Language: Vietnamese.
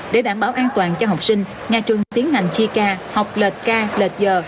để đảm bảo an toàn cho học sinh nhà trường tiến hành chi ca học lệch ca lệch giờ